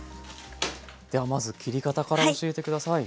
ではまず切り方から教えてください。